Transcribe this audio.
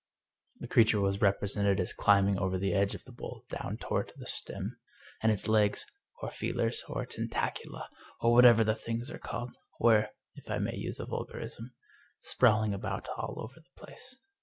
The creature was represented as climbing over the edge of the bowl down toward the stem, and its legs, or feelers, or tentacula, or whatever the things are called, were, if I may use a vulgarism, sprawling about *' all over the place."